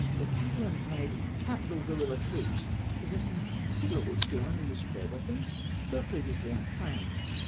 The Catalans made capital guerilla troops, possessing considerable skill in the use of their weapons, though pre\dously untrained.